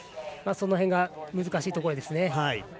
その辺が難しいところですね。